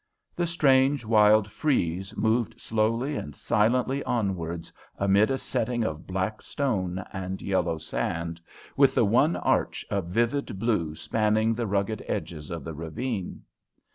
The strange, wild frieze moved slowly and silently onwards amid a setting of black stone and yellow sand, with the one arch of vivid blue spanning the rugged edges of the ravine.